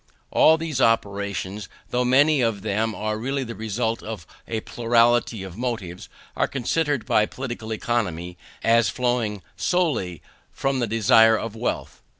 All these operations, though many of them are really the result of a plurality of motives, are considered by Political Economy as flowing solely from the desire of wealth.